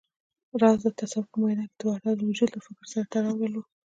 راز د تصوف په ميدان کې د وحدتالوجود له فکر سره تړاو درلود